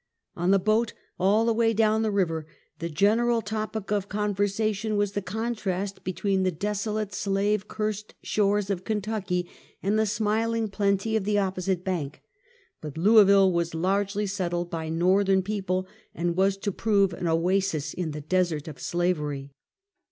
On the boat, all the way down the river, the gener al topic of conversation was the contrast between the desolate slave cursed shores of Kentucky, and the smiling plenty of the opposite bank; but Louisville was largely settled by JSTorthern people, and was to prove an oasis in the desert of slavery.